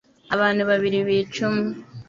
abantu babiri bica umwe .